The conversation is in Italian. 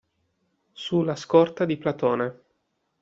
Su la scorta di Platone.